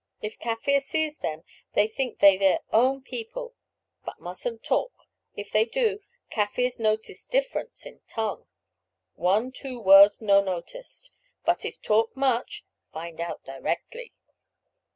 If Kaffir sees them they think they their own people; but mustn't talk; if they do, Kaffirs notice difference of tongue. One, two words no noticed, but if talk much find out directly."